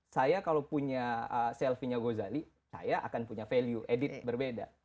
saya kalau punya selfie nya gozali saya akan punya value added berbeda